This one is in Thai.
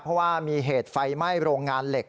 เพราะว่ามีเหตุไฟไหม้โรงงานเหล็ก